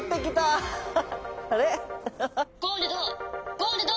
「ゴールド！